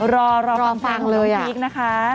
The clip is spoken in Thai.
รอรอฟังรอฟังเร็วอีกนะคะ